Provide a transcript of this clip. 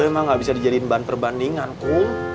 si ido emang nggak bisa dijadiin ban perbandinganku